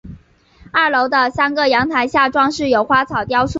二楼的三个阳台下装饰有花草雕塑。